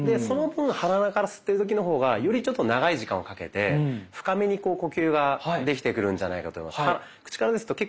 その分鼻から吸ってる時の方がよりちょっと長い時間をかけて深めにこう呼吸ができてくるんじゃないかと思います。